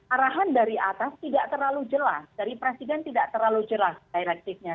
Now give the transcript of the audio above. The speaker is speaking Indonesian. arahan dari atas tidak terlalu jelas dari presiden tidak terlalu jelas direktifnya